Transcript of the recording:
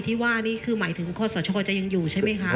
ที่ว่านี่คือหมายถึงข้อสชจะยังอยู่ใช่ไหมคะ